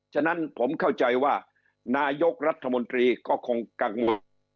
ฉะนั้นผมเข้าใจว่านายกรัฐมนตรีก็คงกังวล